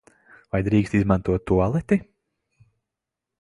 Vai drīkst izmantot tualeti?